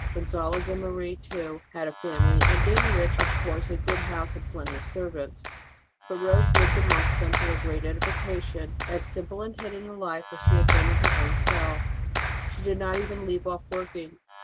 Gonzalez and Marie, too, had a family, and, being rich, of course a good house and plenty of servants. But Rose lived amongst them, to their great edification, as simple and hidden a life as she had done in her own HOW ROSE OF ST. MARY DIED l6g cell ; she did not even leave off working.